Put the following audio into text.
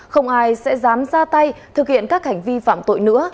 không ai sẽ dám ra tay thực hiện các hành vi phạm tội nữa